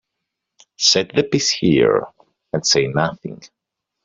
Set the piece here and say nothing.